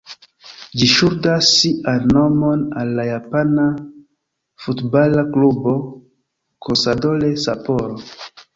Ĝi ŝuldas sian nomon al la japana futbala klubo "Consadole Sapporo".